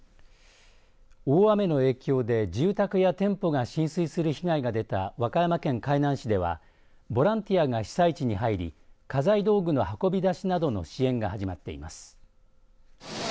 大雨の影響で住宅や店舗が浸水する被害が出た和歌山県海南市ではボランティアが被災地に入り家財道具の運び出しなどの支援が始まっています。